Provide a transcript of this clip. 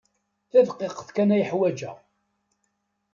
Tadqiqt kan ay ḥwajeɣ.